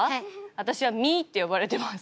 私は「み」って呼ばれてます。